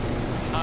あ！